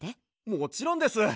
もちろんです！